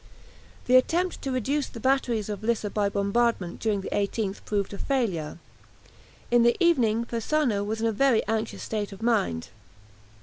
The attempt to reduce the batteries of Lissa by bombardment during the 18th proved a failure. In the evening Persano was in a very anxious state of mind.